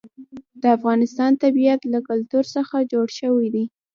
د افغانستان طبیعت له کلتور څخه جوړ شوی دی.